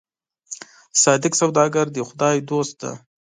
صادق سوداګر د خدای دوست دی.